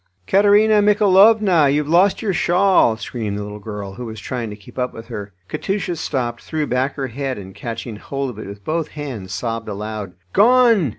"Katerina Michaelovna, you've lost your shawl!" screamed the little girl, who was trying to keep up with her. Katusha stopped, threw back her head, and catching hold of it with both hands sobbed aloud. "Gone!"